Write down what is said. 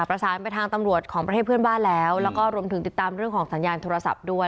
ประสานไปทางตำรวจของประเทศเพื่อนบ้านแล้วแล้วก็รวมถึงติดตามเรื่องของสัญญาณโทรศัพท์ด้วย